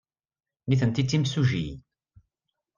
Nitenti d timsujjiyin.